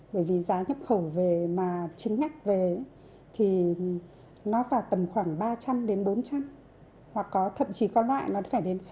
bởi vì giá nhập khẩu về mà chính nhắc về thì nó vào tầm khoảng ba trăm linh đến bốn trăm linh hoặc có thậm chí có loại nó phải đến sáu trăm linh